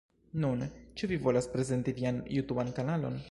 Nun, ĉu vi volas prezenti vian jutuban kanalon?